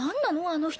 あの人。